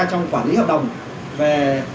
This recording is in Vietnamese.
trong quản lý hợp đồng về